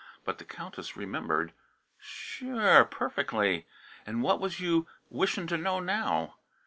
But the Countess remembered. "Sure; perfectly! And what was you wishing to know now?"